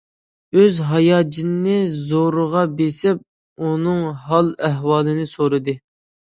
ئۆز ھاياجىنىنى زورىغا بېسىپ ئۇنىڭ ھال- ئەھۋالىنى سورىدى.